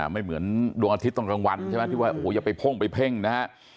ไม่เหมือนดวงอาทิตย์ตอนกลางวันใช่ไหมที่ว่าโอ้โหอย่าไปพ่งไปเพ่งนะฮะ